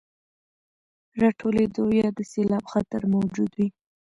راټولېدو او يا د سيلاب خطر موجود وي،